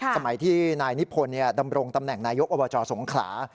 สมัยที่นายนิพนธ์ดำรงตำแหน่งนายกอบจสงขลา